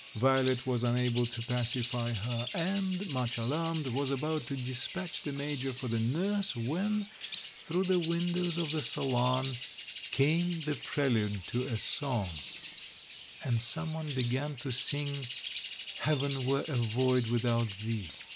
Violet was unable to pacify her ; and, much alarmed, was about to dispatch the Major for the nurse when, through the windows of the salon, came the prelude to a song, and someone began to sing "Heaven were a Void without Thee."